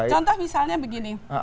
contoh misalnya begini